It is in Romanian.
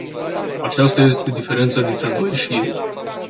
Aceasta este diferența dintre noi și ei.